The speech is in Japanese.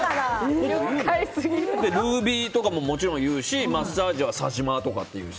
ルービーとかももちろん言うしマッサージはサジマーとか。